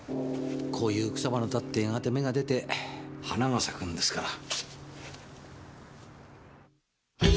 こういう草花だってやがて芽が出て花が咲くんですから。